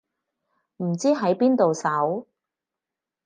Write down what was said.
唔知喺邊度搜